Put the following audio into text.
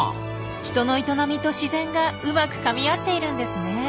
人の営みと自然がうまくかみ合っているんですねえ。